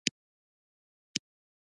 بادرنګ د کورنیو خوراکونو ښکلا ده.